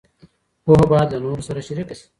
پوهه بايد له نورو سره شريکه شي.